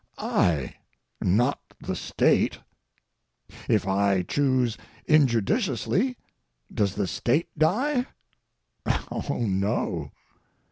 I, not the State. If I choose injudiciously, does the State die? Oh no.